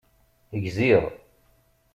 Gziɣ!